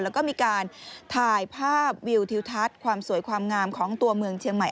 แล้วก็มีการถ่ายภาพวิวทิวทัศน์ความสวยความงามของตัวเมืองเชียงใหม่